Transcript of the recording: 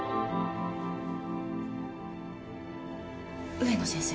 植野先生。